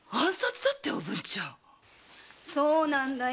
そうなんだ。